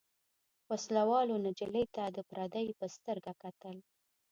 وسله والو نجلۍ ته د پردۍ په سترګه کتل.